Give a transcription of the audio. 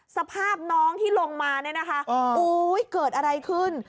สภาพน้องที่ลงมาโอ้ยเกิดอะไรขึ้น